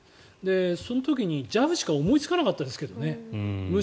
その時にＪＡＦしか思いつかなかったですけどね。